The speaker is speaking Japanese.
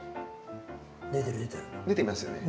出ていますよね。